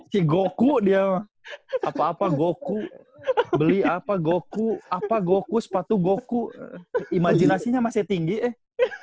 cigoku dia apa apa goku beli apa goku apa goku sepatu goku imajinasinya masih tinggi eh